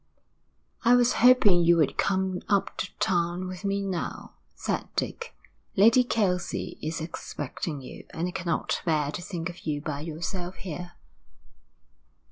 'I was hoping you would come up to town with me now,' said Dick. 'Lady Kelsey is expecting you, and I cannot bear to think of you by yourself here.'